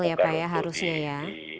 ya pak ya harusnya ya